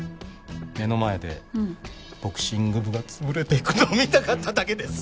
目の前でボクシング部が潰れていくのを見たかっただけです！